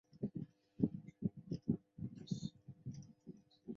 以独特的流线型外观成为流经的景象。